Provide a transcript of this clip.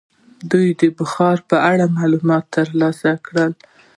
دوی دې د بخارا په اړه هم معلومات ترلاسه کړي.